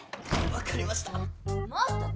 ・わかりました。